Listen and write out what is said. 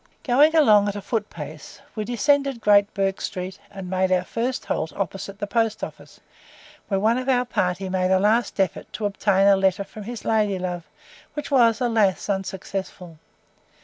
Going along at a foot pace we descended Great Bourke Street, and made our first halt opposite the Post office, where one of our party made a last effort to obtain a letter from his lady love, which was, alas! unsuccessful.